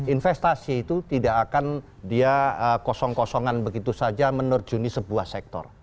investasi itu tidak akan dia kosong kosongan begitu saja menerjuni sebuah sektor